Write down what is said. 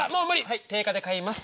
はい定価で買います。